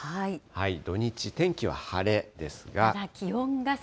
土日、天気は晴れですが。